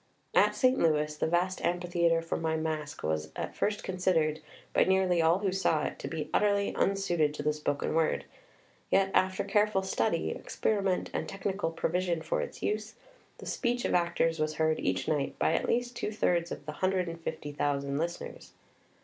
At Saint Louis the vast amphitheatre for my Masque was at first considered, by nearly all who saw it, to be utterly unsuited to the spoken word; yet, after careful study, experiment and technical provision for its use, the speech of actors was heard each night by at least two thirds of the hundred and fifty thousand listeners.